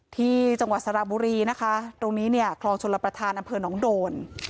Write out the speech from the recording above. ที่จังหวัดสระบุรีนะคะตรงนี้เนี่ยคลองชลประธานอำเภอหนองโดน